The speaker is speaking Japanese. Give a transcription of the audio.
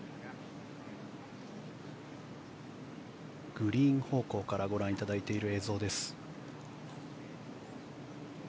グリーン方向からご覧いただいています。